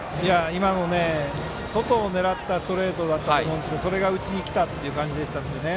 今のは外を狙ったストレートだったと思いますがそれが内に来たという感じでした。